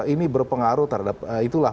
ini berpengaruh terhadap itulah